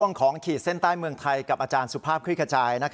ของขีดเส้นใต้เมืองไทยกับอาจารย์สุภาพคลิกขจาย